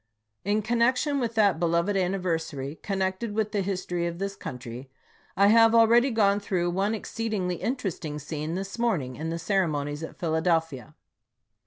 In connection with that beloved anniversary, connected with the history of this country, I have already gone through one exceed ingly interesting scene this morning in the ceremonies at Philadelphia.